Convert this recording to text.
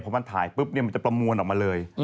พอมันถ่ายปุ๊บมันจะประมวลออกมาเลย